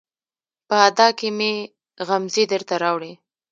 په ادا کې مې غمزې درته راوړي